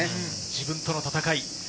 自分との戦い。